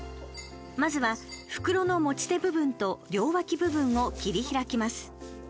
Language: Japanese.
まずは、袋の持ち手部分と両脇部分を切り開きます。